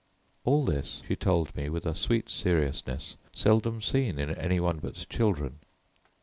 All this she told me with a sweet seriousness seldom seen in any one but children.